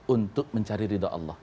untuk mencari ridha allah